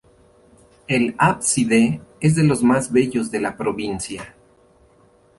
El ábside es de los más bellos de la provincia.